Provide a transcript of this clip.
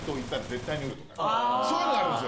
そういうのあるんですよ。